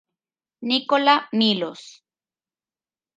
Nikola Milos.